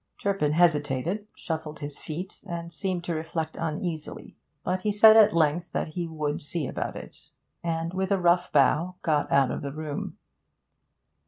Turpin hesitated, shuffled his feet, and seemed to reflect uneasily; but he said at length that he 'would see about it,' and, with a rough bow, got out of the room.